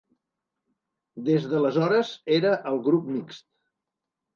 Des d’aleshores era al grup mixt.